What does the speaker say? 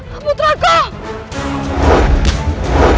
enam minggu kemarin